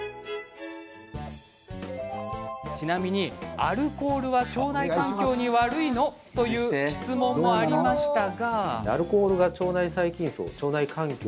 ちなみに、アルコールは腸内環境に悪いの？という質問もありましたが。